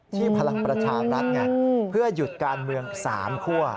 ที่พลังประชาติรัฐเพื่อหยุดการเมือง๓ขั้ว